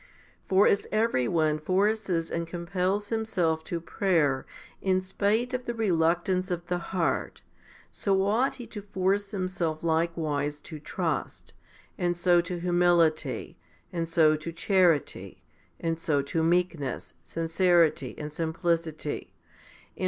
5. For as everyone forces and compels himself to prayer in spite of the reluctance of the heart, so ought he to force himself likewise to trust, and so to humility, and so to charity, and so to meekness, sincerity and simplicity, and 1 Rom.